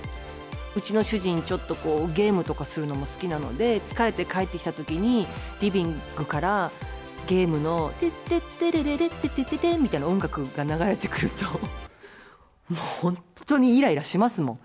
うちの主人、ちょっとこう、ゲームとかするのも好きなので、疲れて帰ってきたときに、リビングから、ゲームのてっててれれれてててみたいな音楽が流れてくると、もう本当にいらいらしますもん。